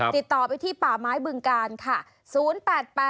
ติดต่อไปที่ป่าม้ายบึงการค่ะ๐๘๘๕๖๓๓๘